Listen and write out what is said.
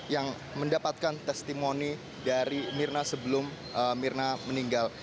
yang mendapatkan testimoni dari mirna sebelum mirna meninggal